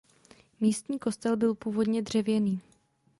Místní kostel byl původně dřevěný.